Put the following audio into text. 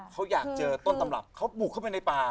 เขาอยากเจอต้นตำรับเขาบุกเข้าไปในป่า